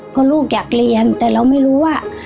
เพราะลูกอยากเรียนแต่เราไม่รู้ว่า